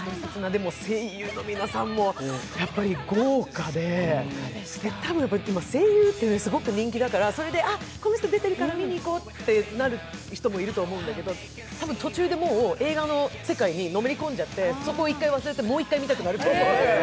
でも声優の皆さんも豪華でたぶん今、声優って人気だから、この人が出てるから見に行こうってなると思うけど多分、途中でもう映画の世界にのめり込んじゃってそこを一回忘れて、もう一回見たくなると思う。